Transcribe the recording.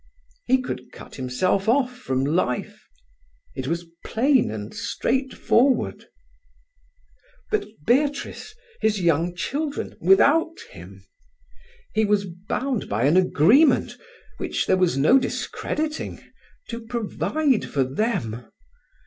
He could cut himself off from life. It was plain and straightforward. But Beatrice, his young children, without him! He was bound by an agreement which there was no discrediting to provide for them.